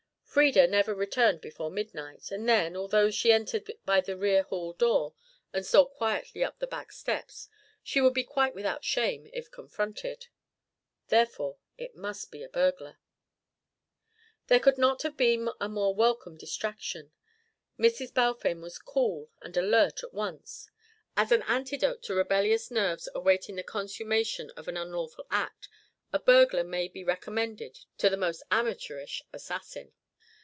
Frieda never returned before midnight, and then, although she entered by the rear hall door and stole quietly up the back stairs, she would be quite without shame if confronted. Therefore, it must be a burglar. There could not have been a more welcome distraction. Mrs. Balfame was cool and alert at once. As an antidote to rebellious nerves awaiting the consummation of an unlawful act, a burglar may be recommended to the most amateurish assassin.